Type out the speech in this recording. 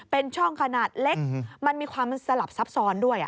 เป็นช่องขนาดเล็กมันมีความสลับซับซ้อนด้วย